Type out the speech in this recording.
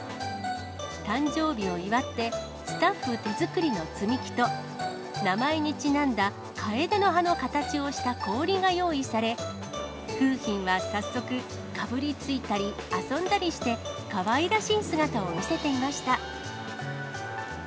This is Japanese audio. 誕生日を祝って、スタッフ手作りの積み木と、名前にちなんだ、カエデの葉の形をした氷が用意され、楓浜は早速、かぶりついたり遊んだりして、かわいらしい姿を見せていました。